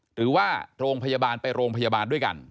หรือว่าโรงพยาบาลไปโรงพยาบาลด้วยกัน